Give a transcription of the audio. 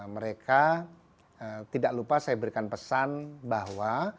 mereka tidak lupa saya berikan pesan bahwa